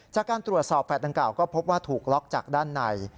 จากการตรวจสอบแฟลตดังกล่าก็พบว่าถูกล็อกจากด้านใน